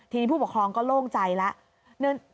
ทีนี้ผู้ปกครองก็โล่งใจแล้ว